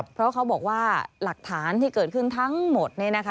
เพราะเขาบอกว่าหลักฐานที่เกิดขึ้นทั้งหมด